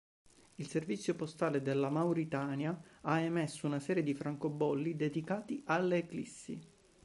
Il servizio postale della Mauritania ha emesso una serie di francobolli dedicati all'eclissi.